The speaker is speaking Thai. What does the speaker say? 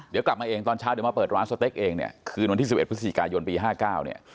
เดี๋ยวกลับมาเองตอนเช้าเดี๋ยวมาเปิดร้านสเต็กเองเนี่ยคืนวันที่๑๑พฤศจิกายนปี๕๙เนี่ย